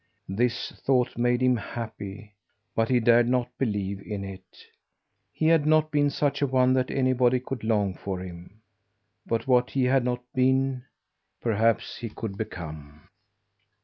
This thought made him happy, but he dared not believe in it. He had not been such a one that anybody could long for him. But what he had not been, perhaps he could become.